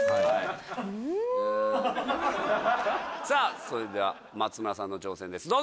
さあそれでは松村さんの挑戦です。